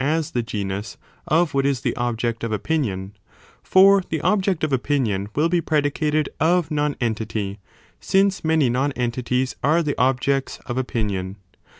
ie as the genus of what is the object of opinion, for the object of opinion will be predicated of non entity, since many non entities are the objects of opinion.